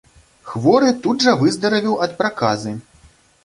Хворы тут жа выздаравеў ад праказы.